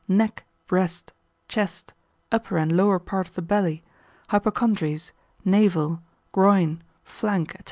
neck, breast, chest, upper and lower part of the belly, hypocondries, navel, groin, flank, &c.